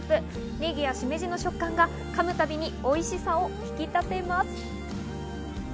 ネギやしめじの食感が噛むたびにおいしさを引き立てます。